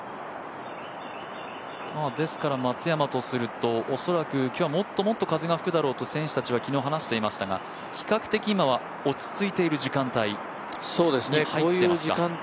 ですから松山とすると、恐らく今日はもっともっと風が吹くだろうと選手たちは昨日話していましたが、比較的、今は落ち着いている時間帯に入ってますか。